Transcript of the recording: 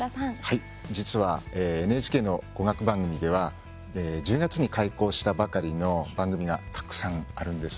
はい、実はＮＨＫの語学番組では１０月に開講したばかりの番組がたくさんあるんです。